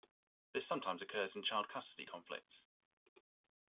This sometimes occurs in child custody conflicts.